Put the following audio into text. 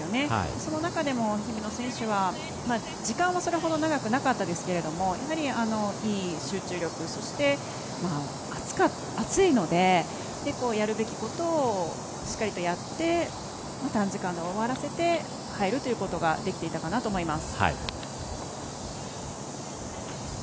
その中でも日比野選手は時間はそれほど長くなかったですけどいい集中力、そして暑いのでやるべきことをしっかりとやって短時間で終わらせることができたと思います。